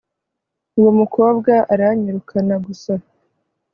uwo mukobwa aranyirukana gusa